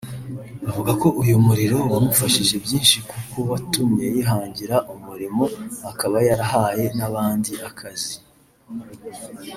Avuga ko uyu muriro wamufashije byinshi kuko watumye yihangira umurimo akaba yarahaye n’abandi akazi